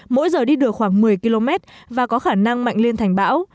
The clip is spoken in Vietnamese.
mỗi giờ đi được khoảng một mươi km và có khả năng mạnh lên thành bão